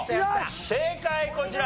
正解こちら。